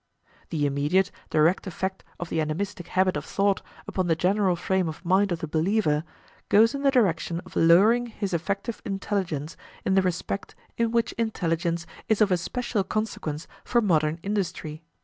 The immediate, direct effect of the animistic habit of thought upon the general frame of mind of the believer goes in the direction of lowering his effective intelligence in the respect in which intelligence is of especial consequence for modern industry.